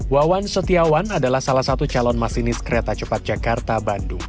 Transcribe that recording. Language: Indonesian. wawan setiawan adalah salah satu calon masinis kereta cepat jakarta bandung